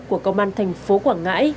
của công an tp quảng ngãi